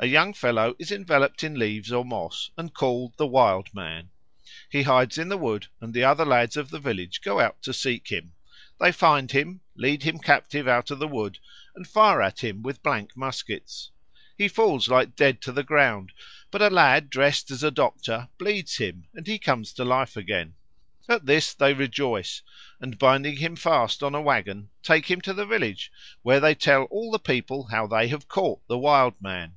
A young fellow is enveloped in leaves or moss and called the Wild Man. He hides in the wood and the other lads of the village go out to seek him. They find him, lead him captive out of the wood, and fire at him with blank muskets. He falls like dead to the ground, but a lad dressed as a doctor bleeds him, and he comes to life again. At this they rejoice, and, binding him fast on a waggon, take him to the village, where they tell all the people how they have caught the Wild Man.